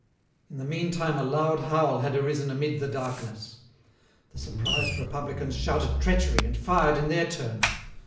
In the meantime a loud howl had arisen amid the darkness. The surprised Republicans shouted treachery, and fired in their turn.